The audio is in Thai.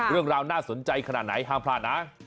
เรื่องราวน่าสนใจขนาดไหนห้ามพลาดนะ